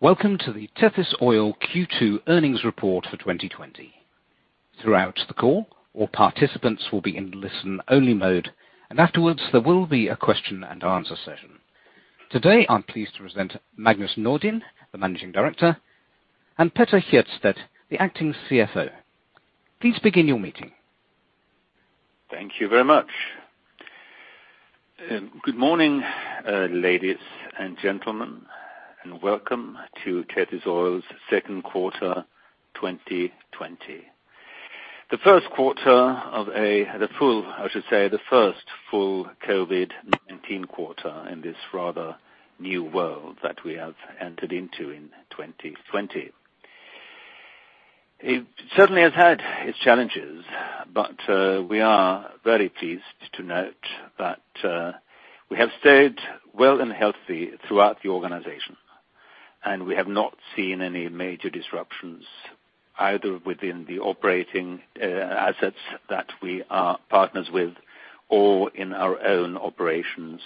Welcome to the Tethys Oil Q2 earnings report for 2020. Throughout the call, all participants will be in listen-only mode, and afterwards, there will be a question and answer session. Today, I'm pleased to present Magnus Nordin, the Managing Director, and Petter Hjertstedt, the Acting CFO. Please begin your meeting. Thank you very much. Good morning, ladies and gentlemen, and welcome to Tethys Oil's second quarter 2020. The first full COVID-19 quarter in this rather new world that we have entered into in 2020. It certainly has had its challenges, but we are very pleased to note that we have stayed well and healthy throughout the organization, and we have not seen any major disruptions, either within the operating assets that we are partners with or in our own operations,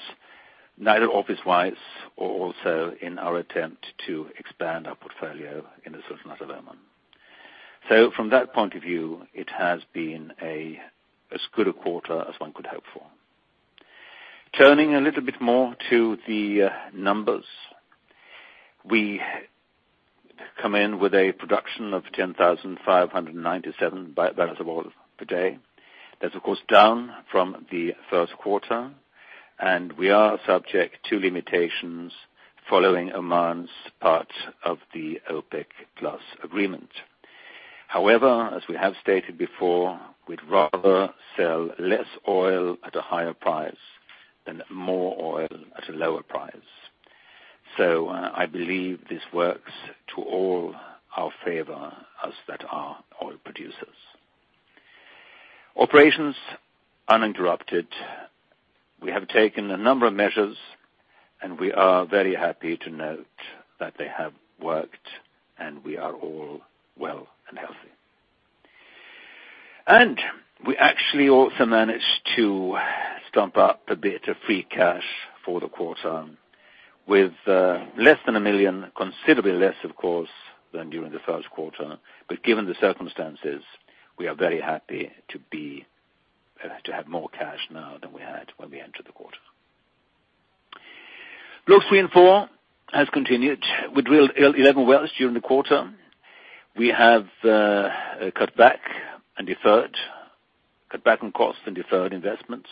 neither office-wise or also in our attempt to expand our portfolio in the Sultanate of Oman. From that point of view, it has been as good a quarter as one could hope for. Turning a little bit more to the numbers. We come in with a production of 10,597 barrels of oil per day. That's, of course, down from the first quarter, and we are subject to limitations following Oman's part of the OPEC+ agreement. However, as we have stated before, we'd rather sell less oil at a higher price than more oil at a lower price. I believe this works to all our favor, us that are oil producers. Operations uninterrupted. We have taken a number of measures, and we are very happy to note that they have worked, and we are all well and healthy. We actually also managed to stomp up a bit of free cash for the quarter with less than $1 million, considerably less, of course, than during the first quarter. Given the circumstances, we are very happy to have more cash now than we had when we entered the quarter. Blocks 3 and 4 has continued. We drilled 11 wells during the quarter. We have cut back on costs and deferred investments.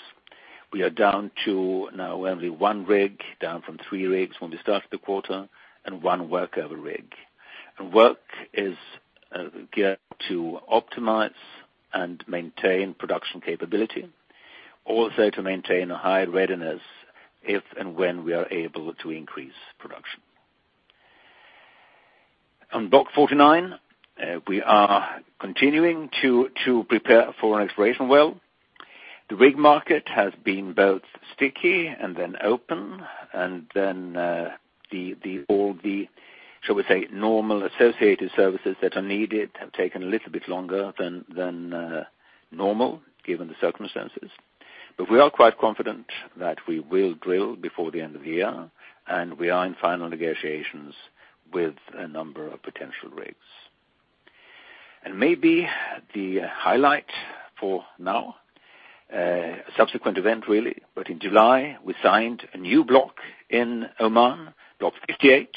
We are down to now only one rig, down from three rigs when we started the quarter, and one workover rig. Work is geared to optimize and maintain production capability. Also to maintain a high readiness if and when we are able to increase production. On Block 49, we are continuing to prepare for an exploration well. The rig market has been both sticky and then open, and then all the, should we say, normal associated services that are needed have taken a little bit longer than normal, given the circumstances. We are quite confident that we will drill before the end of the year, and we are in final negotiations with a number of potential rigs. Maybe the highlight for now, a subsequent event, really, but in July, we signed a new block in Oman, Block 58.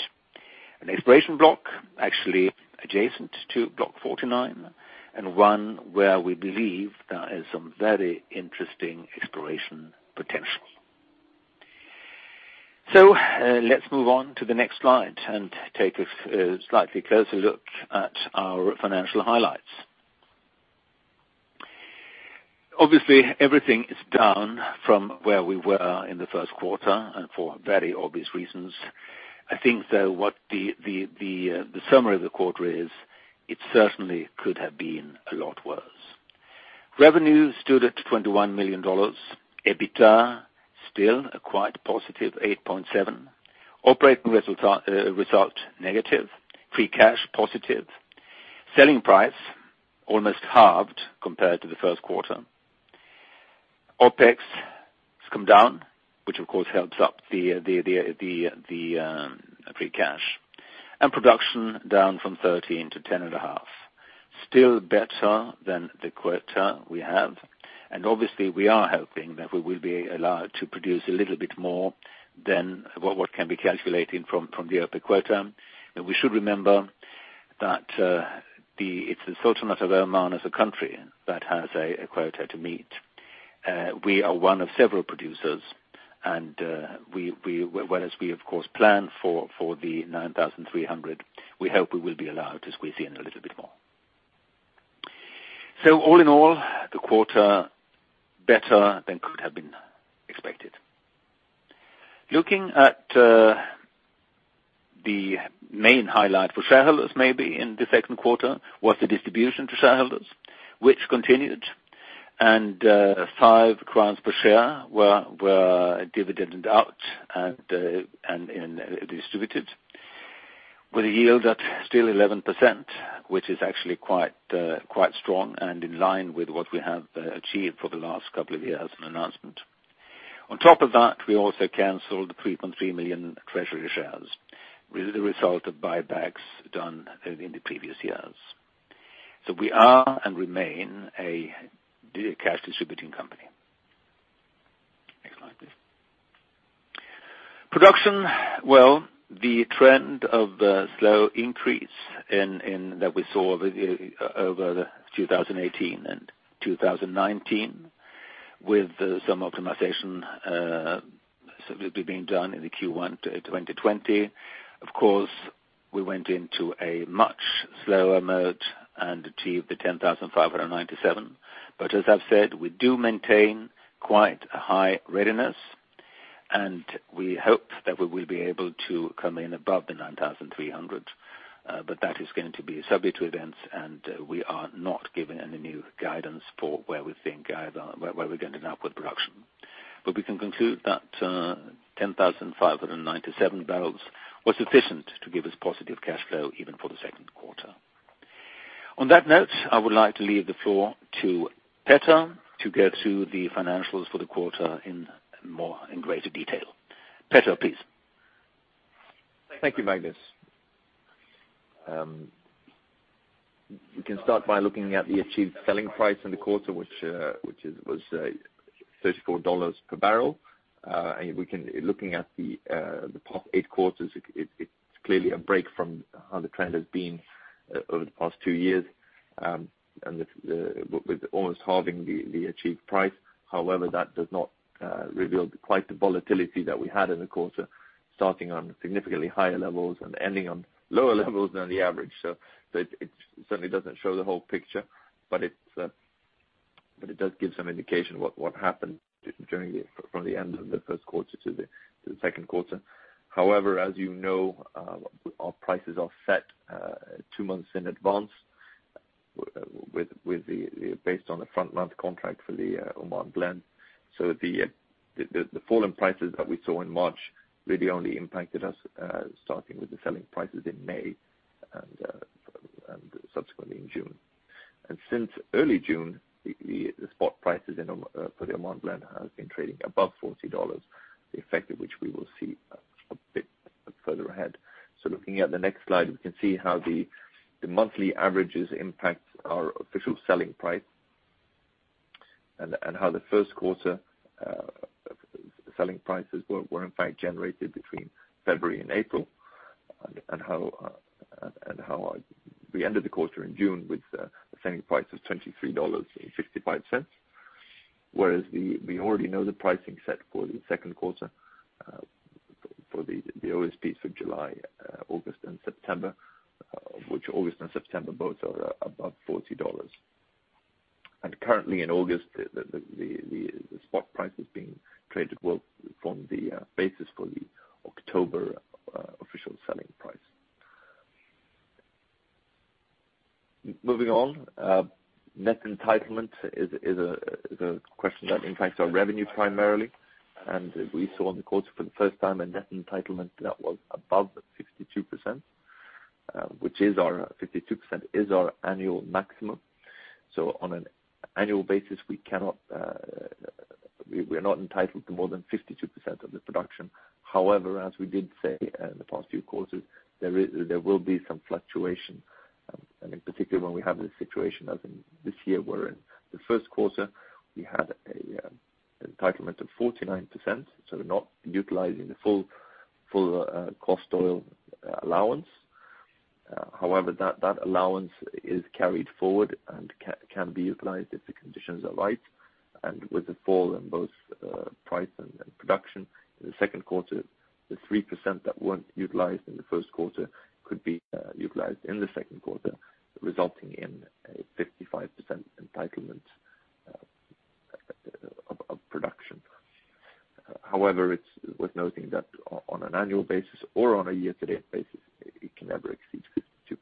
An exploration block, actually adjacent to Block 49, and one where we believe there is some very interesting exploration potential. Let's move on to the next slide and take a slightly closer look at our financial highlights. Obviously, everything is down from where we were in the first quarter, and for very obvious reasons. I think, though, what the summary of the quarter is, it certainly could have been a lot worse. Revenue stood at $21 million. EBITDA still a quite +$8.7 million. Operating result negative. Free cash positive. Selling price almost halved compared to the first quarter. OPEX has come down, which, of course, helps up the free cash. Production down from 13 to 10.5. Still better than the quota we have. Obviously, we are hoping that we will be allowed to produce a little bit more than what can be calculated from the OPEC quota. We should remember that it's the Sultanate of Oman as a country that has a quota to meet. We are one of several producers, and whereas we, of course, plan for the 9,300, we hope we will be allowed to squeeze in a little bit more. All in all, the quarter better than could have been expected. Looking at the main highlight for shareholders, maybe, in the second quarter was the distribution to shareholders, which continued. 5 crowns per share were dividend out and distributed with a yield at still 11%, which is actually quite strong and in line with what we have achieved for the last couple of years in an announcement. On top of that, we also canceled 3.3 million treasury shares. This is the result of buybacks done in the previous years. We are, and remain, a cash distributing company. Next slide, please. Production. Well, the trend of slow increase that we saw over 2018 and 2019, with some optimization being done in the Q1 2020. Of course, we went into a much slower mode and achieved the 10,597. As I've said, we do maintain quite a high readiness, and we hope that we will be able to come in above the 9,300. That is going to be subject to events, and we are not giving any new guidance for where we think where we're going to end up with production. We can conclude that 10,597 barrels was sufficient to give us positive cash flow even for the second quarter. On that note, I would like to leave the floor to Petter to go through the financials for the quarter in greater detail. Petter, please. Thank you, Magnus. We can start by looking at the achieved selling price in the quarter, which was $34 per barrel. Looking at the past eight quarters, it's clearly a break from how the trend has been over the past two years, with almost halving the achieved price. However, that does not reveal quite the volatility that we had in the quarter, starting on significantly higher levels and ending on lower levels than the average. It certainly doesn't show the whole picture. It does give some indication what happened from the end of the first quarter to the second quarter. However, as you know, our prices are set two months in advance, based on the front-month contract for the Oman Blend. The fall in prices that we saw in March really only impacted us starting with the selling prices in May and subsequently in June. Since early June, the spot prices for the Oman Blend has been trading above $40, the effect of which we will see a bit further ahead. Looking at the next slide, we can see how the monthly averages impact our Official Selling Price and how the first quarter selling prices were in fact generated between February and April, and how we ended the quarter in June with a selling price of $23.65. Whereas we already know the pricing set for the second quarter for the OSPs for July, August, and September, which August and September both are above $40. Currently in August, the spot price is being traded well from the basis for the October Official Selling Price. Moving on. Net entitlement is a question that impacts our revenue primarily. We saw in the quarter for the first time a net entitlement that was above 52%, which 52% is our annual maximum. On an annual basis, we are not entitled to more than 52% of the production. However, as we did say in the past few quarters, there will be some fluctuation. In particular, when we have this situation, as in this year, where in the first quarter we had an entitlement of 49%, not utilizing the full cost oil allowance. However, that allowance is carried forward and can be utilized if the conditions are right. With the fall in both price and production in the second quarter, the 3% that weren't utilized in the first quarter could be utilized in the second quarter, resulting in a 55% entitlement of production. It's worth noting that on an annual basis or on a year-to-date basis, it can never exceed 52%.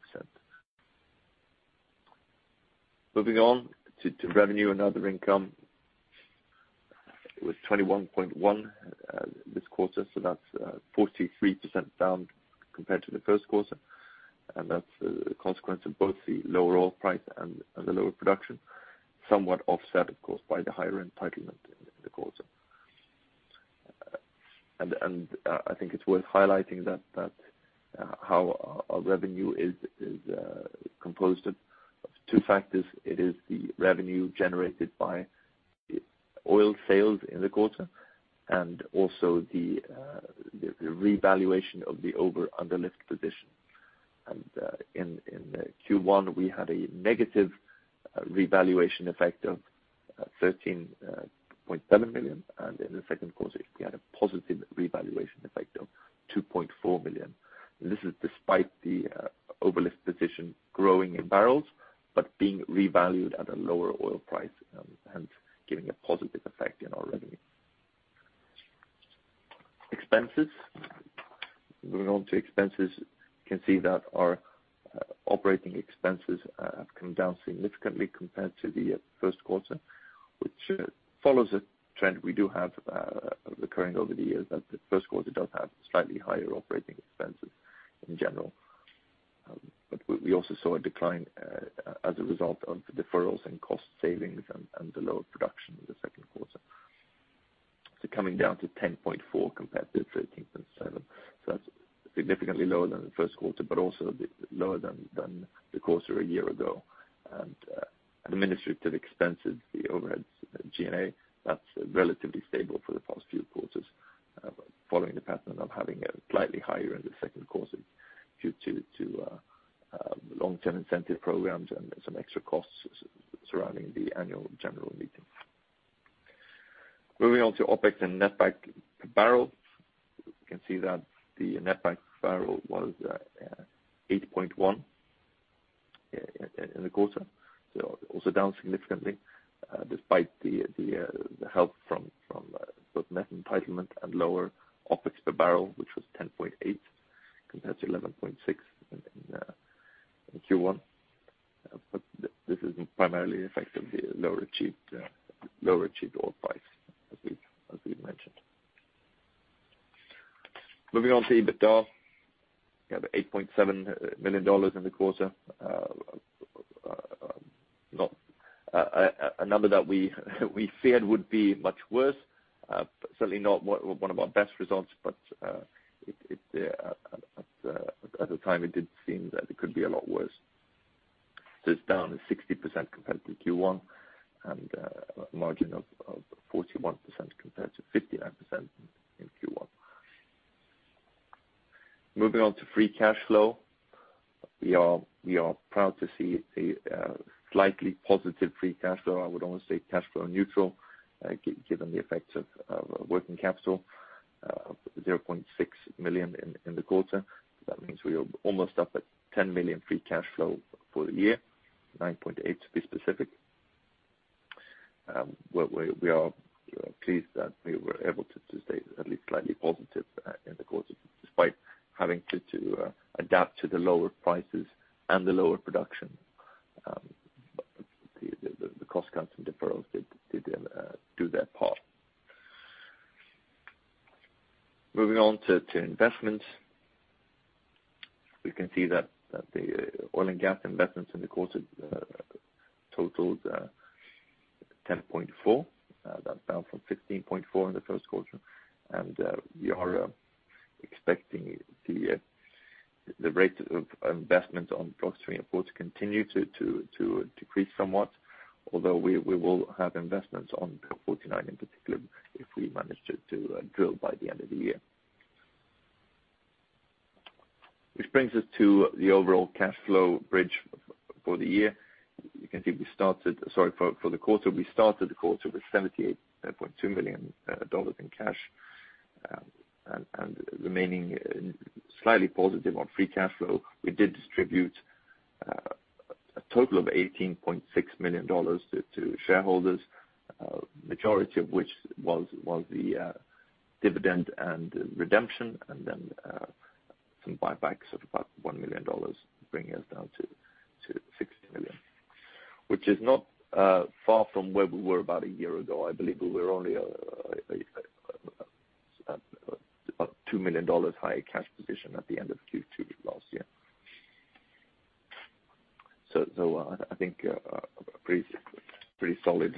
Moving on to revenue and other income. It was $21.1 this quarter, that's 43% down compared to the first quarter. That's a consequence of both the lower oil price and the lower production, somewhat offset, of course, by the higher entitlement in the quarter. I think it's worth highlighting how our revenue is composed of two factors. It is the revenue generated by oil sales in the quarter and also the revaluation of the over/under lift position. In Q1, we had a negative revaluation effect of $13.7 million, in the second quarter, we had a positive revaluation effect of $2.4 million. This is despite the overlift position growing in barrels, but being revalued at a lower oil price and giving a positive effect in our revenue. Moving on to expenses. You can see that our operating expenses have come down significantly compared to the first quarter, which follows a trend we do have recurring over the years, that the first quarter does have slightly higher operating expenses in general. We also saw a decline as a result of the deferrals and cost savings and the lower production in the second quarter. Coming down to $10.4 compared to $13.7. That's significantly lower than the first quarter, but also a bit lower than the quarter a year ago. Administrative expenses, the overheads, G&A, that's relatively stable for the past few quarters, following the pattern of having it slightly higher in the second quarter due to long-term incentive programs and some extra costs surrounding the annual general meeting. Moving on to OpEx and netback per barrel. You can see that the netback per barrel was $8.1 in the quarter, so also down significantly, despite the help from both net entitlement and lower OpEx per barrel, which was $10.8 compared to $11.6 in Q1. This is primarily affected the lower achieved oil price as we've mentioned. Moving on to EBITDA. We have $8.7 million in the quarter. A number that we feared would be much worse. Certainly not one of our best results, but at the time it did seem that it could be a lot worse. It's down to 60% compared to Q1 and a margin of 41% compared to 59% in Q1. Moving on to free cash flow. We are proud to see a slightly positive free cash flow. I would almost say cash flow neutral, given the effects of working capital, $0.6 million in the quarter. That means we are almost up at $10 million free cash flow for the year, $9.8 million, to be specific. We are pleased that we were able to stay at least slightly positive in the quarter, despite having to adapt to the lower prices and the lower production. The cost cuts and deferrals did do their part. Moving on to investments. We can see that the oil and gas investments in the quarter totaled $10.4 million. That's down from $15.4 million in the first quarter. We are expecting the rate of investment on blocks three and four to continue to decrease somewhat, although we will have investments on Block 49 in particular if we manage to drill by the end of the year. Which brings us to the overall cash flow bridge for the year. You can see, for the quarter, we started the quarter with $78.2 million in cash and remaining slightly positive on free cash flow. We did distribute a total of $18.6 million to shareholders, majority of which was the dividend and redemption and then some buybacks of about $1 million, bringing us down to $60 million, which is not far from where we were about a year ago. I believe we were only about $2 million higher cash position at the end of Q2 last year. I think a pretty solid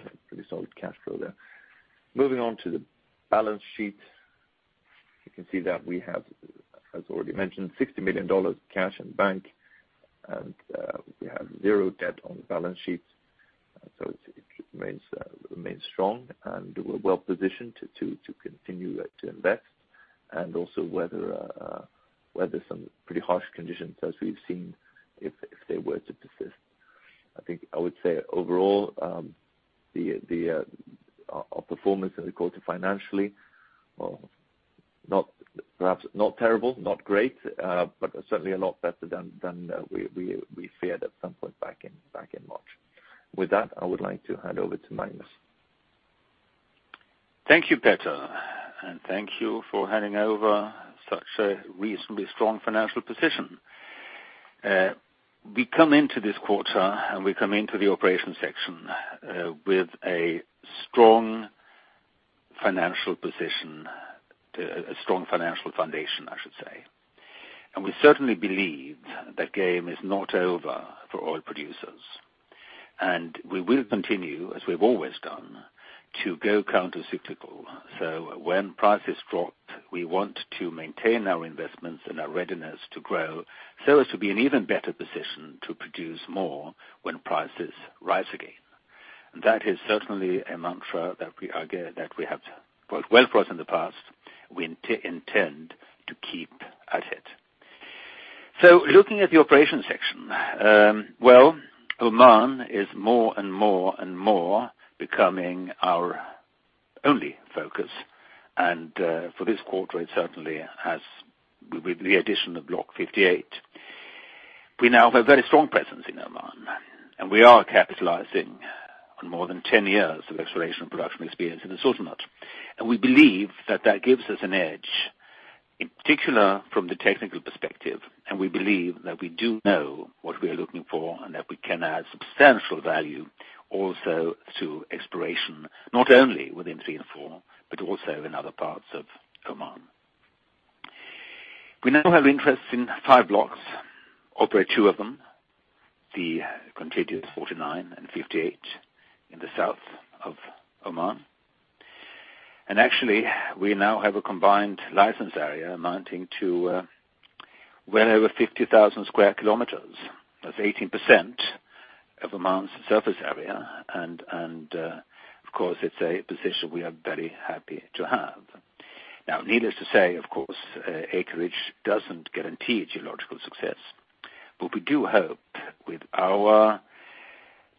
cash flow there. Moving on to the balance sheet. You can see that we have, as already mentioned, $60 million cash in bank, and we have zero debt on the balance sheet. It remains strong, and we're well positioned to continue to invest and also weather some pretty harsh conditions as we've seen if they were to persist. I think I would say overall, our performance in the quarter financially, perhaps not terrible, not great, but certainly a lot better than we feared at some point back in March. With that, I would like to hand over to Magnus. Thank you, Petter. Thank you for handing over such a reasonably strong financial position. We come into this quarter, and we come into the operations section with a strong financial position, a strong financial foundation, I should say. We certainly believe the game is not over for oil producers. We will continue, as we've always done, to go countercyclical. When prices drop, we want to maintain our investments and our readiness to grow so as to be in even better position to produce more when prices rise again. That is certainly a mantra that we have followed well for us in the past. We intend to keep at it. Looking at the operations section. Oman is more and more and more becoming our only focus. For this quarter, it certainly has, with the addition of Block 58. We now have very strong presence in Oman, we are capitalizing on more than 10 years of exploration and production experience in the Sultanate. We believe that that gives us an edge in particular from the technical perspective, we believe that we do know what we are looking for and that we can add substantial value also to exploration, not only within three and four, but also in other parts of Oman. We now have interests in five blocks, operate two of them, the contiguous Blocks 49 and 58 in the south of Oman. Actually, we now have a combined license area amounting to well over 50,000 sq km. That's 18% of Oman's surface area. Of course, it's a position we are very happy to have. Now, needless to say, of course, acreage doesn't guarantee geological success. We do hope with our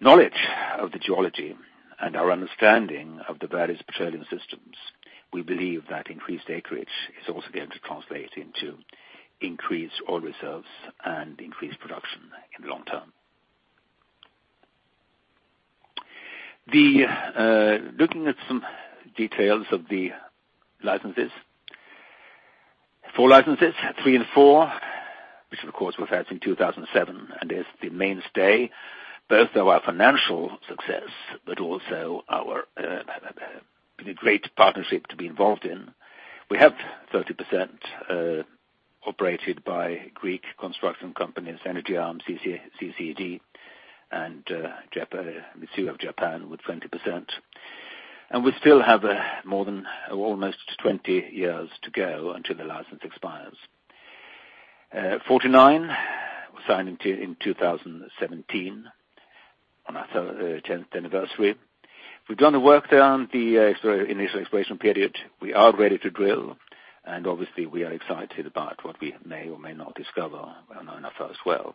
knowledge of the geology and our understanding of the various petroleum systems, we believe that increased acreage is also going to translate into increased oil reserves and increased production in the long term. Looking at some details of the licenses. Four licenses, three and four, which of course we've had since 2007, and is the mainstay, both of our financial success, but also a great partnership to be involved in. We have 30% operated by Greek construction company, Energean, CCED, and Mitsui of Japan with 20%. We still have more than almost 20 years to go until the license expires. 49 was signed in 2017 on our 10th anniversary. We've done the work there on the initial exploration period. We are ready to drill, and obviously we are excited about what we may or may not discover on our first well.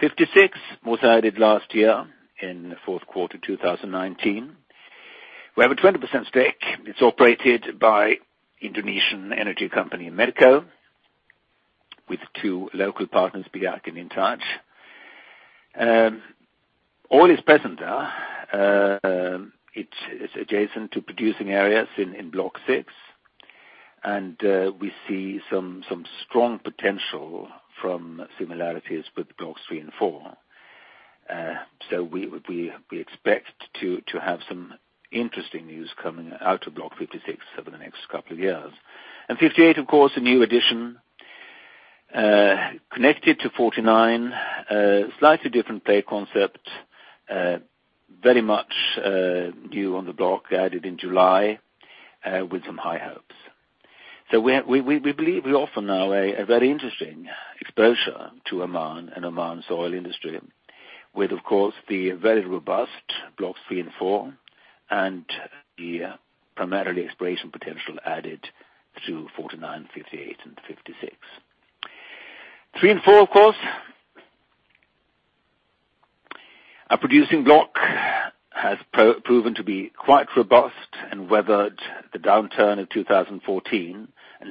56 was added last year in fourth quarter 2019. We have a 20% stake. It's operated by Indonesian energy company Medco, with two local partners, Biyaq and Intaj. Oil is present there. It's adjacent to producing areas in Block 6. We see some strong potential from similarities with Blocks 3 and 4. We expect to have some interesting news coming out of Block 56 over the next couple of years. Block 58, of course, a new addition, connected to Block 49. Slightly different play concept. Very much new on the block, added in July, with some high hopes. We believe we offer now a very interesting exposure to Oman and Oman's oil industry with, of course, the very robust Blocks 3 and 4, and the primarily exploration potential added through Blocks 49, 58, and 56. Blocks 3 and 4, of course, are producing block, has proven to be quite robust and weathered the downturn of 2014,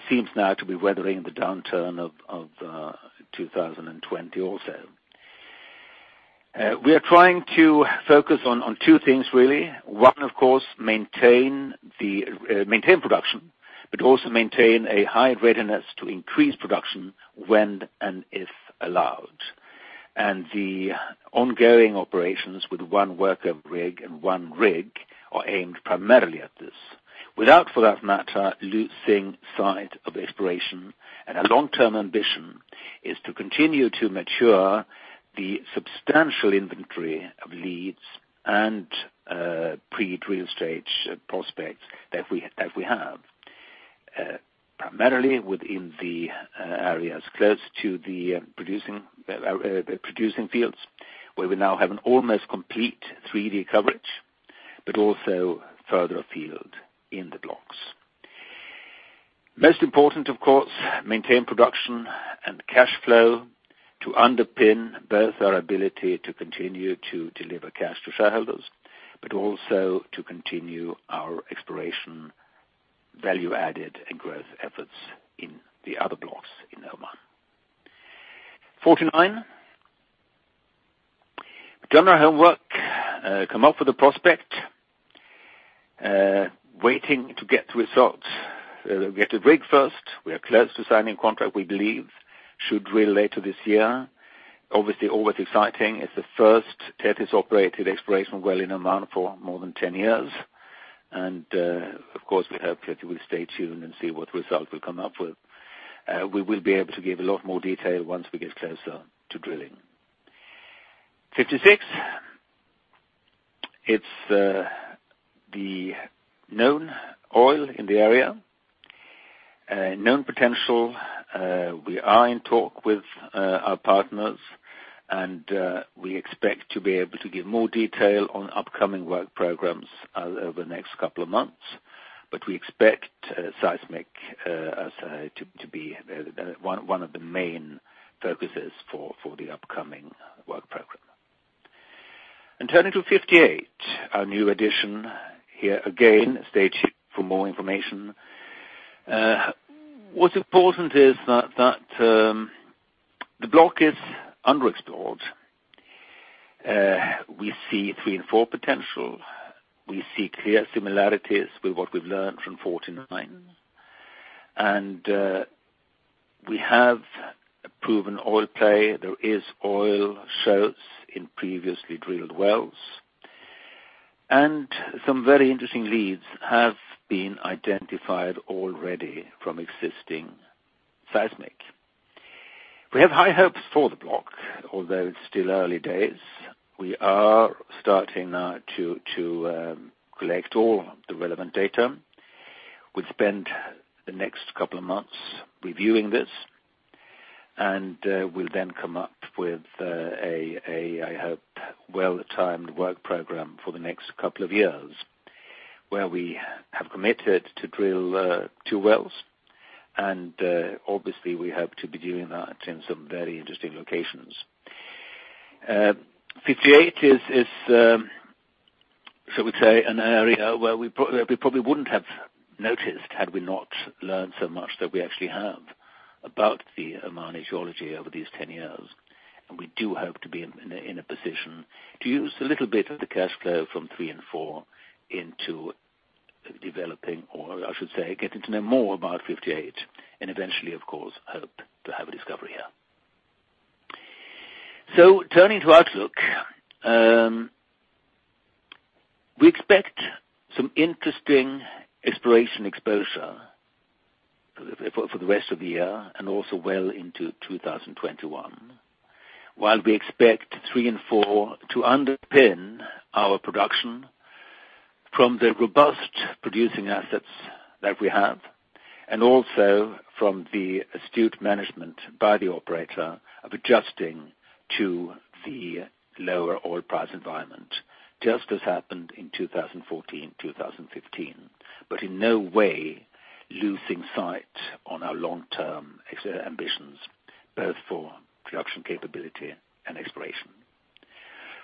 seems now to be weathering the downturn of 2020 also. We are trying to focus on two things, really. One, of course, maintain production, but also maintain a high readiness to increase production when and if allowed. The ongoing operations with one workover rig and one rig are aimed primarily at this. Without, for that matter, losing sight of exploration, and a long-term ambition is to continue to mature the substantial inventory of leads and pre-drill stage prospects that we have. Primarily within the areas close to the producing fields, where we now have an almost complete 3D coverage, but also further afield in the blocks. Most important, of course, maintain production and cash flow to underpin both our ability to continue to deliver cash to shareholders, but also to continue our exploration value added and growth efforts in the other blocks in Oman. Block 49. We have done our homework, come up with a prospect, waiting to get results. We have to rig first. We are close to signing contract we believe. We should drill later this year. It is obviously always exciting. It's the first Tethys-operated exploration well in Oman for more than 10 years. Of course, we hope that you will stay tuned and see what result we'll come up with. We will be able to give a lot more detail once we get closer to drilling. Block 56. It's the known oil in the area. It is known potential. We are in talk with our partners, we expect to be able to give more detail on upcoming work programs over the next couple of months. We expect seismic to be one of the main focuses for the upcoming work program. Turning to Block 58, our new addition. Here again, stay tuned for more information. What's important is that the block is underexplored. We see three and four potential. We see clear similarities with what we've learned from Block 49. We have proven oil play. There is oil shows in previously drilled wells, and some very interesting leads have been identified already from existing seismic. We have high hopes for the block, although it's still early days. We are starting now to collect all the relevant data. We'll spend the next couple of months reviewing this. We'll then come up with a, I hope, well-timed work program for the next couple of years, where we have committed to drill two wells. Obviously, we hope to be doing that in some very interesting locations. Block 58 is, so we'll say, an area where we probably wouldn't have noticed had we not learned so much that we actually have about the Oman geology over these 10 years. We do hope to be in a position to use a little bit of the cash flow from three and four into developing, or I should say, getting to know more about Block 58, and eventually, of course, hope to have a discovery here. Turning to outlook. We expect some interesting exploration exposure for the rest of the year and also well into 2021. While we expect Blocks 3 and 4 to underpin our production from the robust producing assets that we have, also from the astute management by the operator of adjusting to the lower oil price environment, just as happened in 2014, 2015. In no way losing sight on our long-term ambitions, both for production capability and exploration.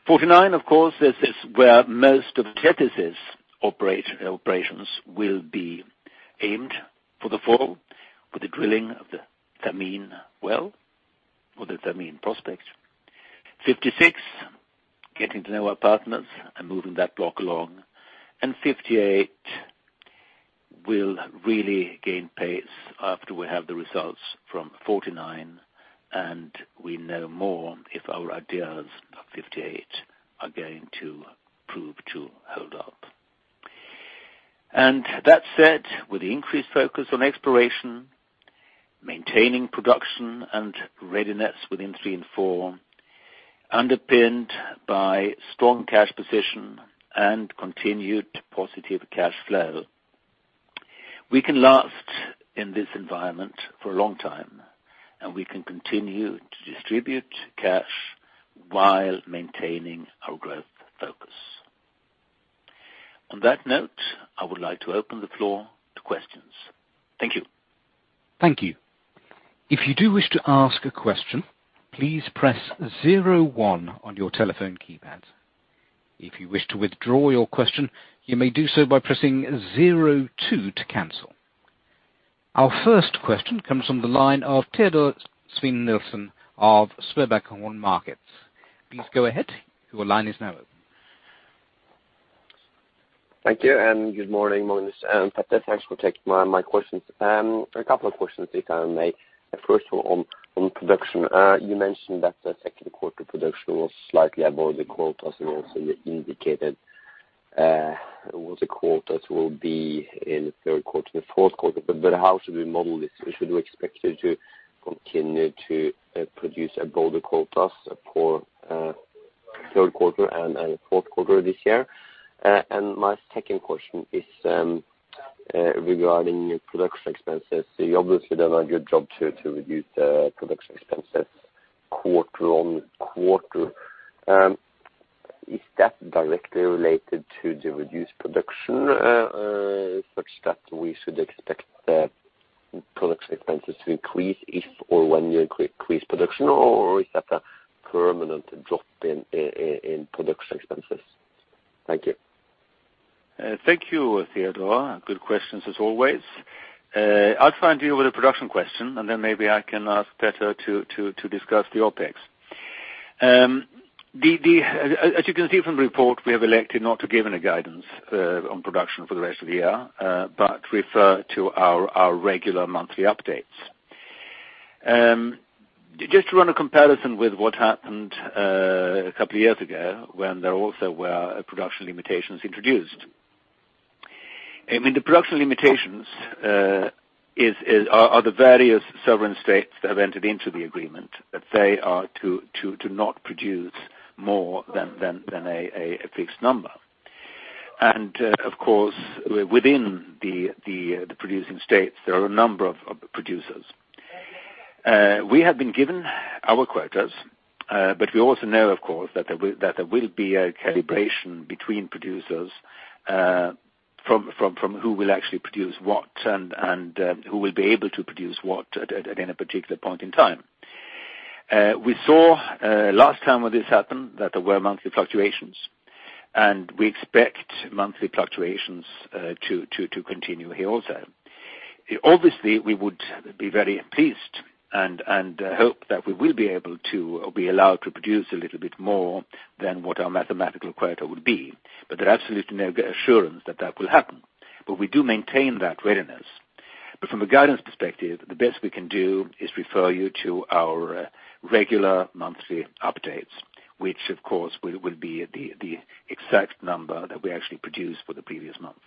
Block 49, of course, is where most of Tethys' operations will be aimed for the fall with the drilling of the Thameen well or the Thameen prospect. Block 56, getting to know our partners and moving that block along. Block 58 will really gain pace after we have the results from Block 49, and we know more if our ideas of Block 58 are going to prove to hold up. That said, with the increased focus on exploration, maintaining production, and readiness within Blocks 3 and 4, underpinned by strong cash position and continued positive cash flow. We can last in this environment for a long time, and we can continue to distribute cash while maintaining our growth focus. On that note, I would like to open the floor to questions. Thank you. Thank you. If you do wish to ask a question, please press zero one on your telephone keypad. If you wish to withdraw your question, you may do so by pressing zero two to cancel. Our first question comes from the line of Teodor Sveen-Nilsen of SpareBank 1 Markets. Please go ahead. Your line is now open. Thank you, good morning, Magnus and Petter. Thanks for taking my questions. A couple of questions if I may. First of all on production. You mentioned that the second quarter production was slightly above the quotas and also you indicated what the quotas will be in the third quarter, the fourth quarter. How should we model this? Should we expect you to continue to produce above the quotas for third quarter and fourth quarter this year? My second question is regarding production expenses. You obviously done a good job to reduce the production expenses quarter on quarter. Is that directly related to the reduced production, such that we should expect the production expenses to increase if or when you increase production? Is that a permanent drop in production expenses? Thank you. Thank you, Teodor. Good questions as always. I'll start with you with the production question, and then maybe I can ask Petter to discuss the OPEX. As you can see from the report, we have elected not to give any guidance on production for the rest of the year, but refer to our regular monthly updates. Just to run a comparison with what happened a couple of years ago, when there also were production limitations introduced. I mean, the production limitations are the various sovereign states that have entered into the agreement that they are to not produce more than a fixed number. Of course, within the producing states, there are a number of producers. We have been given our quotas, but we also know, of course, that there will be a calibration between producers, from who will actually produce what and who will be able to produce what at any particular point in time. We saw last time when this happened that there were monthly fluctuations, and we expect monthly fluctuations to continue here also. Obviously, we would be very pleased and hope that we will be able to, or be allowed to produce a little bit more than what our mathematical quota would be. There are absolutely no assurance that that will happen. We do maintain that readiness. From a guidance perspective, the best we can do is refer you to our regular monthly updates, which of course, will be the exact number that we actually produced for the previous month.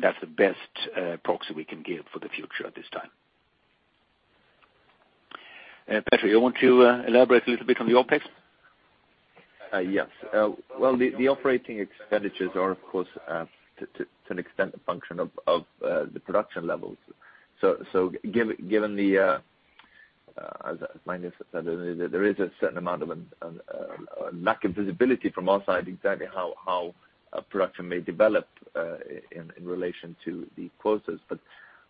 That's the best proxy we can give for the future at this time. Petter, you want to elaborate a little bit on the OPEX? Yes. The operating expenditures are, of course, to an extent, a function of the production levels. Given the, as Magnus said, there is a certain amount of lack of visibility from our side exactly how a production may develop in relation to the quotas.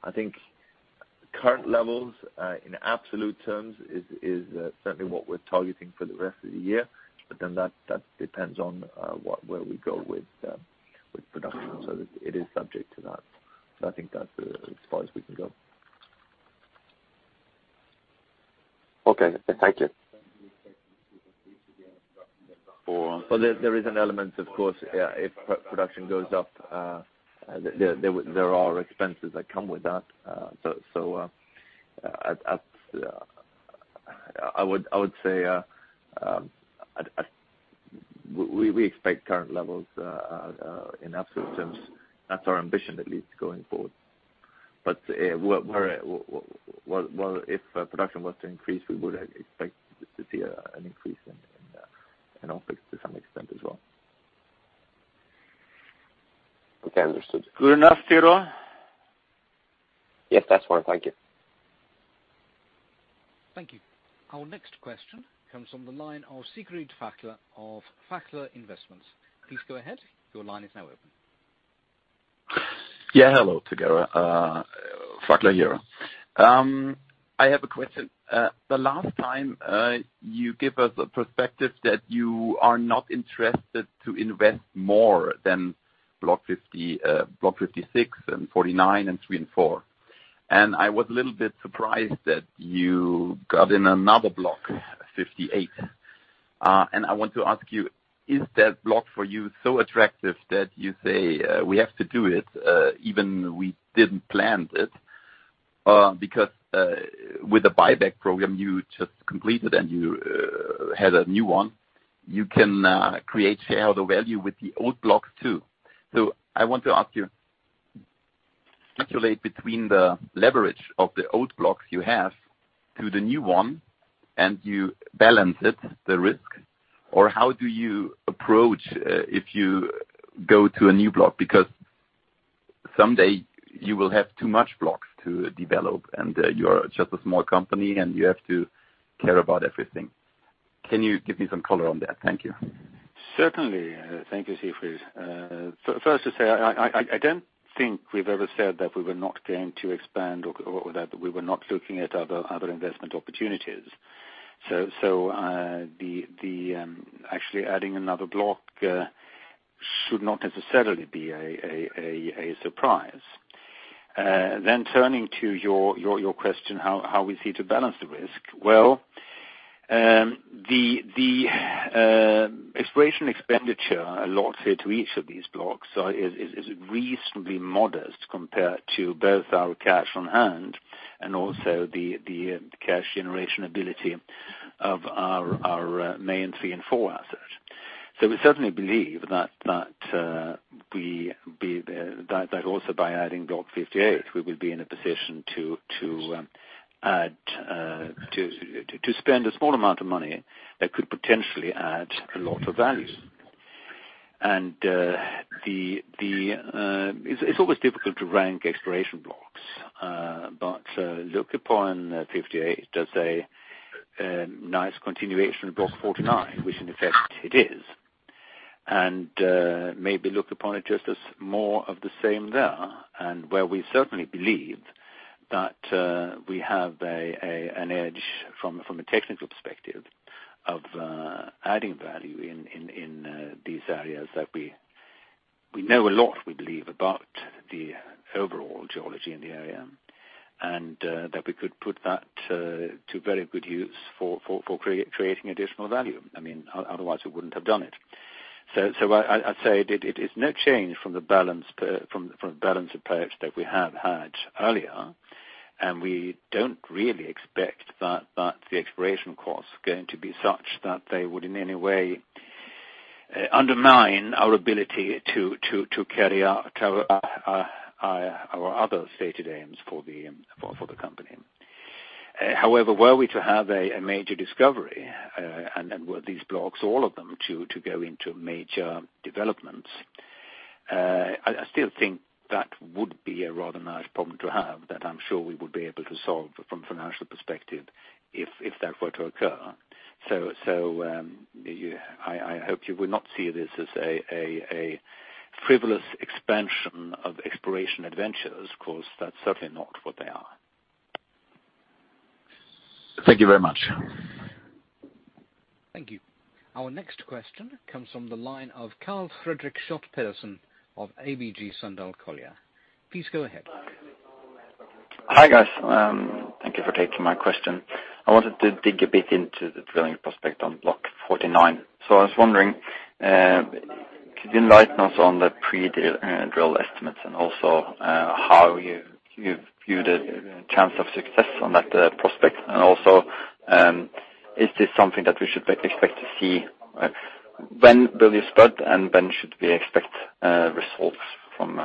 I think current levels, in absolute terms, is certainly what we're targeting for the rest of the year. That depends on where we go with production. It is subject to that. I think that's as far as we can go. Okay. Thank you. There is an element, of course, if production goes up, there are expenses that come with that. I would say, we expect current levels in absolute terms. That's our ambition, at least, going forward. If production was to increase, we would expect to see an increase in OpEx to some extent as well. Okay, understood. Good enough, Teodor? Yes, that's fine. Thank you. Thank you. Our next question comes from the line of Siegfried Fackler of Fackler Investments. Please go ahead. Your line is now open. Hello together. Fackler here. I have a question. The last time you give us a perspective that you are not interested to invest more than Blocks 56 and 49 and Blocks 3 and 4. I was a little bit surprised that you got in another Block 58. I want to ask you, is that block for you so attractive that you say, "We have to do it, even we didn't planned it"? With the buyback program you just completed and you had a new one, you can create shareholder value with the old blocks, too. I want to ask you, speculate between the leverage of the old blocks you have to the new one, and you balance it, the risk. How do you approach if you go to a new block? Someday you will have too much blocks to develop, and you are just a small company, and you have to care about everything. Can you give me some color on that? Thank you. Certainly. Thank you, Siegfried. First to say, I don't think we've ever said that we were not going to expand or that we were not looking at other investment opportunities. Actually adding another block should not necessarily be a surprise. Turning to your question, how we see to balance the risk. Well, the exploration expenditure allotted to each of these blocks is reasonably modest compared to both our cash on hand and also the cash generation ability of our main Blocks 3 and 4 asset. We certainly believe that also by adding Block 58, we will be in a position to spend a small amount of money that could potentially add a lot of value. It's always difficult to rank exploration blocks. Look upon Block 58 as a nice continuation of Block 49, which in effect it is. Maybe look upon it just as more of the same there, and where we certainly believe that we have an edge from a technical perspective of adding value in these areas that we know a lot, we believe, about the overall geology in the area, and that we could put that to very good use for creating additional value. Otherwise we wouldn't have done it. I'd say it is no change from the balanced approach that we have had earlier. We don't really expect that the exploration costs are going to be such that they would in any way undermine our ability to carry out our other stated aims for the company. However, were we to have a major discovery, and were these blocks, all of them, to go into major developments, I still think that would be a rather nice problem to have that I'm sure we would be able to solve from financial perspective if that were to occur. I hope you will not see this as a frivolous expansion of exploration adventures, because that's certainly not what they are. Thank you very much. Thank you. Our next question comes from the line of Karl Fredrik Schjøtt-Pedersen of ABG Sundal Collier. Please go ahead. Hi, guys. Thank you for taking my question. I wanted to dig a bit into the drilling prospect on Block 49. I was wondering, could you enlighten us on the pre-drill estimates and also, how you view the chance of success on that prospect? Is this something that we should expect to see? When will you spud, and when should we expect results from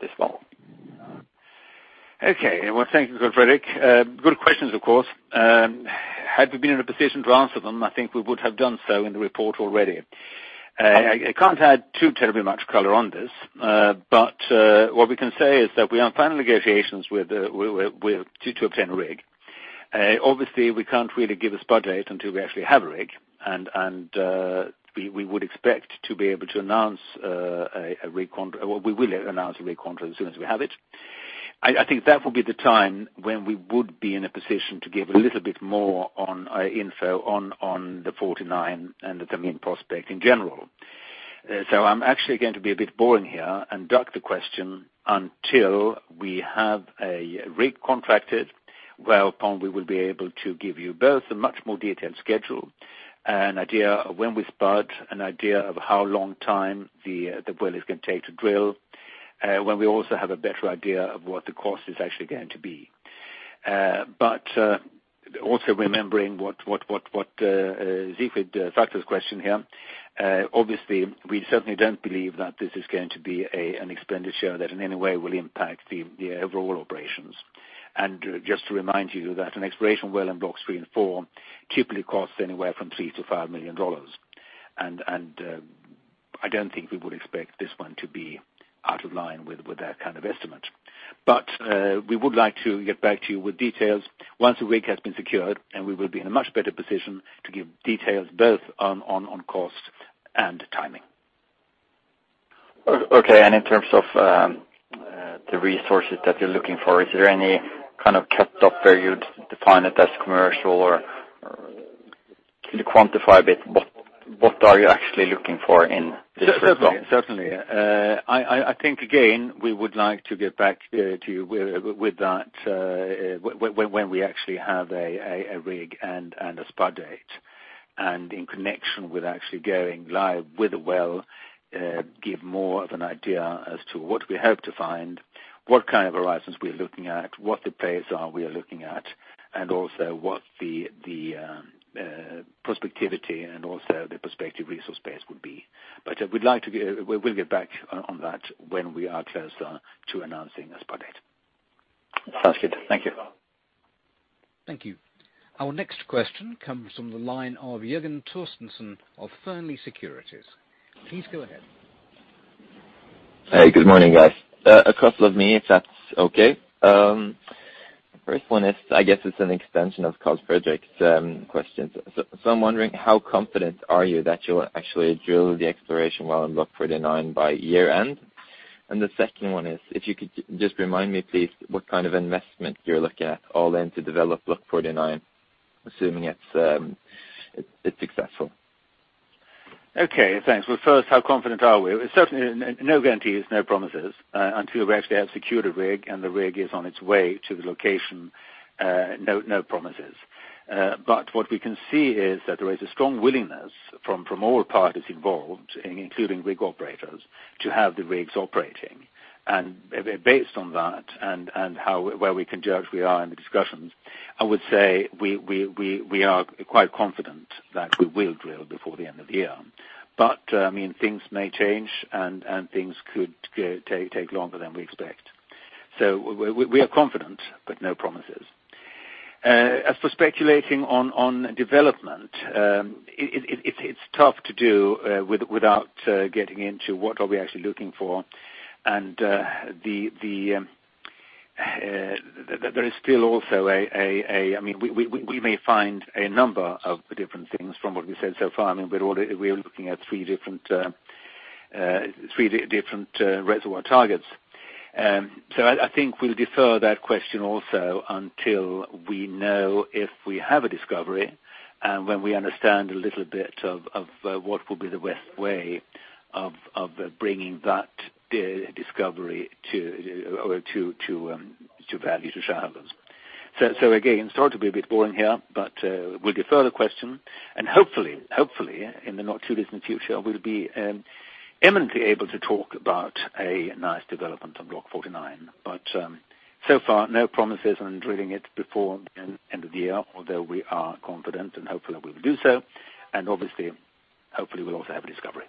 this well? Okay. Well, thank you, Karl Fredrik. Good questions, of course. Had we been in a position to answer them, I think we would have done so in the report already. I can't add too terribly much color on this. What we can say is that we are in final negotiations to obtain a rig. Obviously, we can't really give a spud date until we actually have a rig. We would expect to be able to announce a rig contract, well, we will announce a rig contract as soon as we have it. I think that will be the time when we would be in a position to give a little bit more on info on the Block 49 and the Thameen prospect in general. I'm actually going to be a bit boring here and duck the question until we have a rig contracted, whereupon we will be able to give you both a much more detailed schedule, an idea of when we spud, an idea of how long time the well is going to take to drill, when we also have a better idea of what the cost is actually going to be. Also remembering what Siegfried asked us question here, obviously, we certainly don't believe that this is going to be an expenditure that in any way will impact the overall operations. Just to remind you that an exploration well in Blocks 3 and 4 typically costs anywhere from $3 million-$5 million. I don't think we would expect this one to be out of line with that kind of estimate. We would like to get back to you with details once the rig has been secured, and we will be in a much better position to give details both on cost and timing. Okay. In terms of the resources that you're looking for, is there any kind of cut-off where you'd define it as commercial? Can you quantify a bit, what are you actually looking for in this well? Certainly. I think, again, we would like to get back to you with that when we actually have a rig and a spud date. In connection with actually going live with the well, give more of an idea as to what we hope to find, what kind of horizons we're looking at, what the pays are we are looking at, and also what the prospectivity and also the prospective resource base would be. We'll get back on that when we are closer to announcing a spud date. Sounds good. Thank you. Thank you. Our next question comes from the line of Jørgen Torstensen of Fearnley Securities. Please go ahead. Good morning, guys. A couple of me, if that's okay. First one is, I guess it's an extension of Karl Fredrik's questions. I'm wondering, how confident are you that you'll actually drill the exploration well in Block 49 by year-end? The second one is, if you could just remind me, please, what kind of investment you're looking at all in to develop Block 49, assuming it's successful. Okay. Thanks. First, how confident are we? Certainly, no guarantees, no promises. Until we actually have secured a rig and the rig is on its way to the location, no promises. What we can see is that there is a strong willingness from all parties involved, including rig operators, to have the rigs operating. Based on that and where we can judge we are in the discussions, I would say we are quite confident that we will drill before the end of the year. Things may change, and things could take longer than we expect. We are confident, but no promises. As for speculating on development, it's tough to do without getting into what are we actually looking for. There is still also, we may find a number of different things from what we said so far. We are looking at three different reservoir targets. I think we'll defer that question also until we know if we have a discovery, and when we understand a little bit of what will be the best way of bringing that discovery to value to shareholders. Again, sorry to be a bit boring here, but we'll defer the question. Hopefully, in the not too distant future, we'll be imminently able to talk about a nice development on Block 49. So far, no promises on drilling it before the end of the year, although we are confident and hopeful that we will do so. Obviously, hopefully, we'll also have a discovery.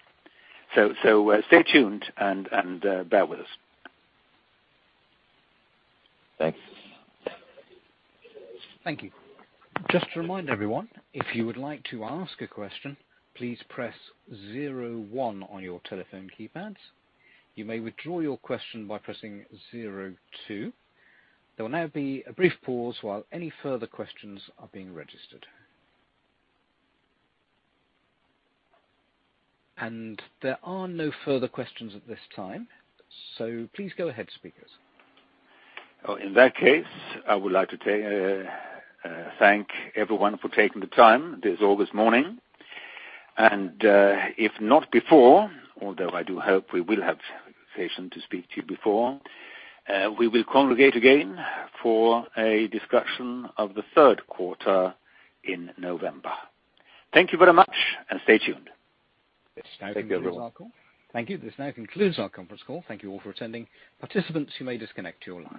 Stay tuned and bear with us. Thanks. Thank you. Just to remind everyone, if you would like to ask a question, please press zero one on your telephone keypads. You may withdraw your question by pressing zero two. There will now be a brief pause while any further questions are being registered. There are no further questions at this time, please go ahead, speakers. In that case, I would like to thank everyone for taking the time this August morning. If not before, although I do hope we will have occasion to speak to you before, we will congregate again for a discussion of the third quarter in November. Thank you very much, and stay tuned. Yes. Thank you, everyone. Thank you. This now concludes our conference call. Thank you all for attending. Participants, you may disconnect your lines.